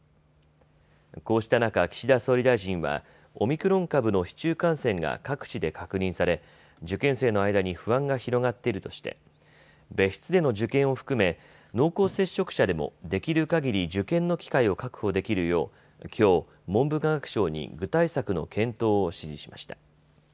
こうした中、岸田総理大臣はオミクロン株の市中感染が各地で確認され受験生の間に不安が広がっているとして別室での受験を含め濃厚接触者でもできるかぎり受験の機会を確保できるようきょう文部科学省に具体策の検討を指示しました。